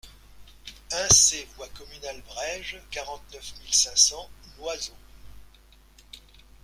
un C voie Communale Bréges, quarante-neuf mille cinq cents Nyoiseau